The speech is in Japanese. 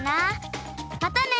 またね。